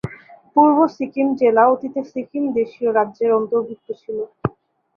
পূর্ব সিকিম জেলা অতীতে সিকিম দেশীয় রাজ্যের অন্তর্ভুক্ত ছিল।